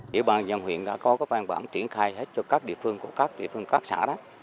địa bàn dân huyện đã có các văn bản triển khai hết cho các địa phương của các địa phương các xã đó